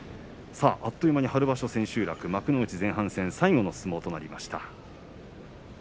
あっという間で、春場所千秋楽幕内前半戦最後の相撲となりました。